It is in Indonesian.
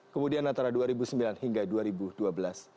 kemudian antara dua ribu sembilan hingga dua ribu dua belas